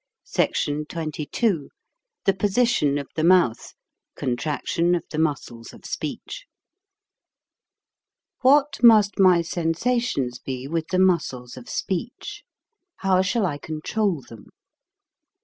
SECTION XXII THE POSITION OF THE MOUTH (CONTRACTION OF THE MUSCLES OF SPEECH) WHAT must my sensations be with the muscles of speech? How shall I control them?